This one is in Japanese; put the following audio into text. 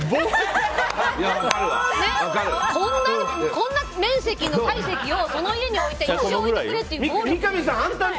こんな面積の体積をその家に置いて一生に置いてくれっていう暴力。